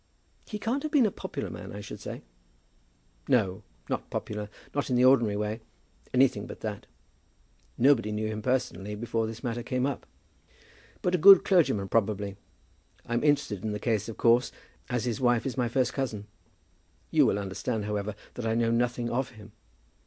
"He can't have been a popular man, I should say?" "No; not popular, not in the ordinary way; anything but that. Nobody knew him personally before this matter came up." "But a good clergyman, probably? I'm interested in the case, of course, as his wife is my first cousin. You will understand, however, that I know nothing of him.